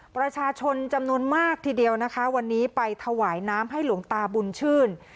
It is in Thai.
ประชาชนจำนวนมากทีเดียวนะคะวันนี้ไปถวายน้ำให้หลวงตาบุญชื่น